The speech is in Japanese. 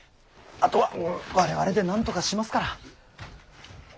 あとは我々でなんとかしますから。